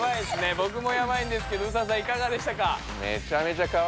ぼくもやばいんですけどＳＡさんいかがでしたか？